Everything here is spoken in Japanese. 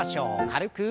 軽く。